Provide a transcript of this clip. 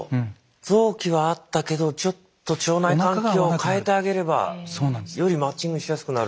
臓器は合ったけどちょっと腸内環境を変えてあげればよりマッチングしやすくなる。